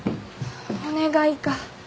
お願いが。